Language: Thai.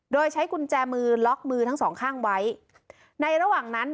โดยใช้กุญแจมือล็อกมือทั้งสองข้างไว้ในระหว่างนั้น